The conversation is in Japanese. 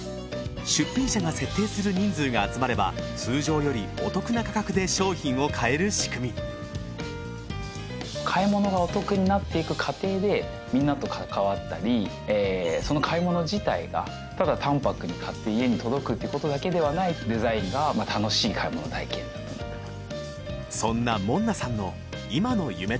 出品者が設定する人数が集まれば通常よりお得な価格で商品を買える仕組みその買い物自体がただ淡泊に買って家に届くってことだけではないデザインが楽しい買い物体験だと思っています